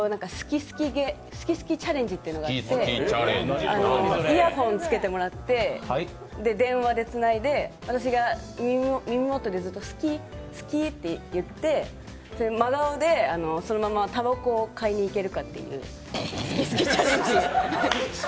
好き好きチャレンジというのがあって、イヤホン着けもらって、電話でつないで私が耳元でずっと「好き、好き」って言って真顔でそのままたばこを買いに行けるかっていう好き好きチャレンジ。